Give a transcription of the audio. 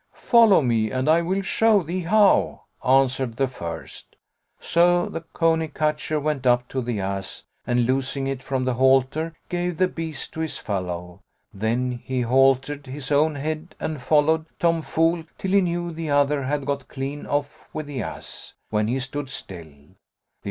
"Follow me and I will show thee how," answered the first. So the cony catcher went up to the ass and, loosing it from the halter, gave the beast to his fellow; then he haltered his own head and followed Tom Fool till he knew the other had got clean off with the ass, when he stood still.